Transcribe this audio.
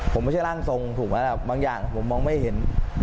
ผมไม่ใช่ล่างทรงบางอย่างผมมองไม่เห็น